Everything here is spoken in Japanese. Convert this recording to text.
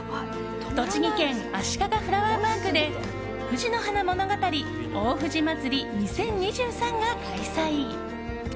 栃木県あしかがフラワーパークでふじのはな物語大藤まつり２０２３が開催。